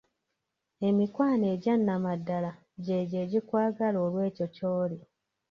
Emikwano egyannamaddala gy'egyo egikwagala olw'ekyo ky'oli.